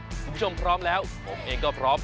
คุณผู้ชมพร้อมแล้วผมเองก็พร้อม